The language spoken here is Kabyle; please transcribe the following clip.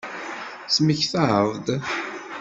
Temmektaḍ-d?